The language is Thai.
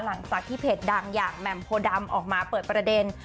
หลังจากที่เพจดังอย่างแหม่มโพดำออกมาเปิดประเด็น